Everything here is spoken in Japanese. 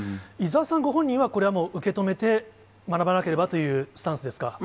伊沢さんご本人は、これはもう受け止めて、学ばなければというスタンスですか？